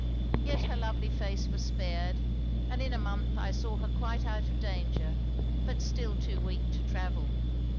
Yet her lovely face was spared; and in a month I saw her quite out of danger, but still too weak to travel.